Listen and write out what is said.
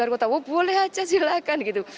kalau kami mencetak di luar kota wah boleh aja silakan gitu